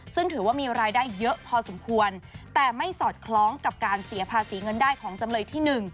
ซึ่งถือว่ามีรายได้เยอะพอสมควรแต่ไม่สอดคล้องกับการเสียภาษีเงินได้ของจำเลยที่๑